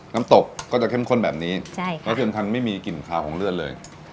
น้ำตกก็จะเข้มข้นแบบนี้และสำคัญว่าไม่มีกลิ่นคลาวของเลือดเลย